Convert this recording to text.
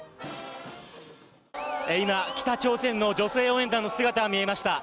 今、北朝鮮の女性応援団の姿が見えました。